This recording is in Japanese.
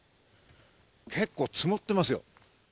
結構、積もってますよ。